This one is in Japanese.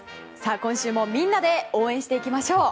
今週もみんなで応援していきましょう。